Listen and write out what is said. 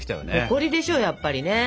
誇りでしょやっぱりね。